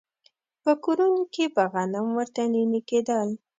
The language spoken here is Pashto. په کورونو کې به غنم ورته نينې کېدل.